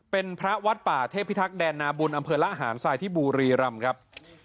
เป็นพระวัดป่าเทพิทักษแดนนาบุญอำเภอละหารทรายที่บุรีรำครับ